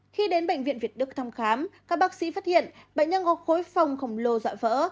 khi đến bệnh viện việt đức thăm khám các bác sĩ phát hiện bệnh nhân có khối phòng khổng lồ dạ vỡ